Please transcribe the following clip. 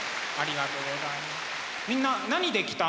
みんな何で来たの？